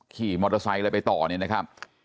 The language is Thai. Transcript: ขี่มอเตอร์ไซค์อะไรไปต่อเนี่ยนะครับ